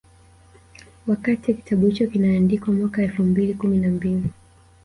Wakati kitabu hicho kinaandikwa mwaka elfu mbili kumi na mbili